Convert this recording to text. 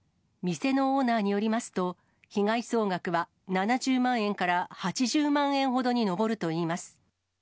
店のオーナーによりますと、被害総額は７０万円から８０万円ほどに上るといいます。